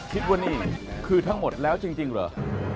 คิดว่านี่คือทั้งหมดแล้วจริงหรือ